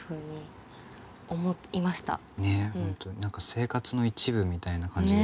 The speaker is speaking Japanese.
何か生活の一部みたいな感じ。